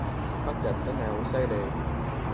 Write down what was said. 北人真係好犀利